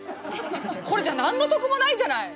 これじゃ何の得もないじゃない！